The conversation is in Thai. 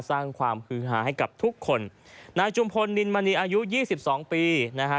สร้างความฮือหาให้กับทุกคนนายจุมพลนินมณีอายุยี่สิบสองปีนะฮะ